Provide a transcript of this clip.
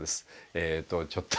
えとちょっと。